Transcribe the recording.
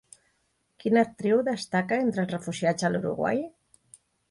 Quina actriu destaca entre els refugiats a l'Uruguai?